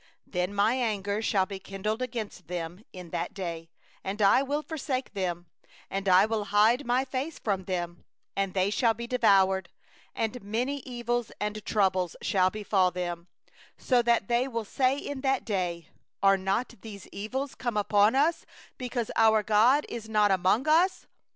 17Then My anger shall be kindled against them in that day, and I will forsake them, and I will hide My face from them, and they shall be devoured, and many evils and troubles shall come upon them; so that they will say in that day: Are not these evils come upon us because our God is not among us?